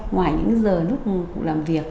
ngoài những giờ lúc cụ làm việc